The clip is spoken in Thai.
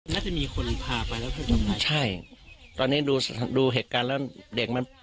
น่าจะมีคนพาไปแล้วไปทำงานใช่ตอนนี้ดูดูเหตุการณ์แล้วเด็กมัน